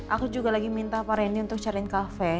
aku juga lagi minta pak randy untuk cariin kafe